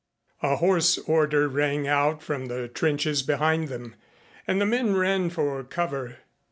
A hoarse order rang out from the trenches behind them and the men ran for cover.